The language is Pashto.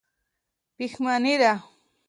پښېماني ده.